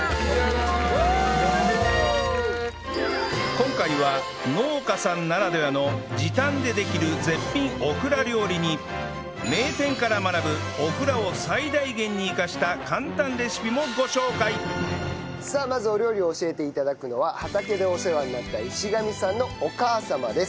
今回は農家さんならではの時短でできる絶品オクラ料理に名店から学ぶオクラを最大限に生かした簡単レシピもご紹介！さあまずお料理を教えていただくのは畑でお世話になった石神さんのお母様です。